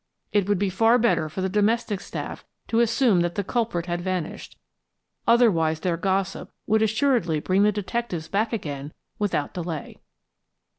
It would be far better for the domestic staff to assume that the culprit had vanished, otherwise their gossip would assuredly bring the detectives back again without delay.